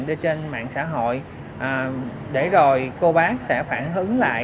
đưa trên mạng xã hội để rồi cô bác sẽ phản hứng lại